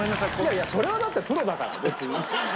いやいやそれはだってプロだから別に。